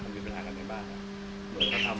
ก็มีเวลากันในบ้านเนอะ